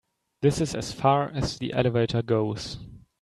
This is as far as the elevator goes.